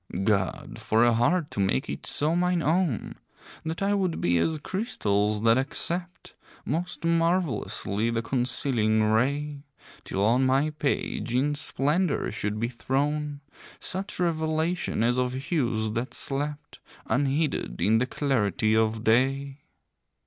God I for a heart to make it so mine own That I would be as crystals that accept Most marvelously the concealing ray ; Till on my page in splendor should be thrown Such revelation as of hues that slept, Unheeded, in the clarity of day!